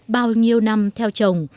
bao nhiêu năm theo chồng